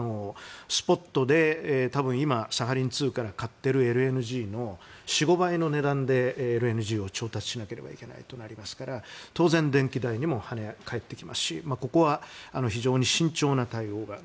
スポットで今、サハリン２から買っているＬＮＧの４５倍の値段でＬＮＧを調達しなければいけないことになりますから当然、電気代にも返ってきますしここは非常に慎重な対応が。